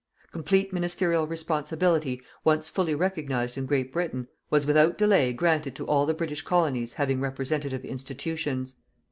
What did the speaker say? Complete ministerial responsibility, once fully recognized in Great Britain, was without delay granted to all the British colonies having representative institutions.